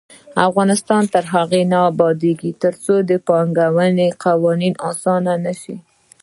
افغانستان تر هغو نه ابادیږي، ترڅو د پانګونې قوانین اسانه نشي.